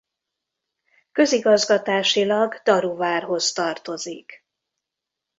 Közigazgatásilag Daruvárhoz tartozik.